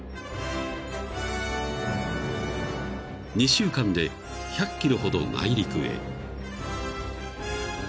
［２週間で１００ｋｍほど内陸へ］